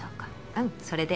うんそれで。